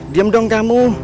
diam dong kamu